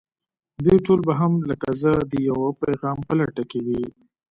دوی ټول به هم لکه زه د يوه پيغام په لټه کې وي.